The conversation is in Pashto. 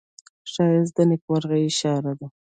ښایست د نیکمرغۍ اشاره ده